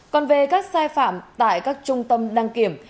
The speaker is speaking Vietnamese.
còn về các sai phạm tại các trung tâm đăng kiểm